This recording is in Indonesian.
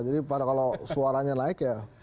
jadi kalau suaranya naik ya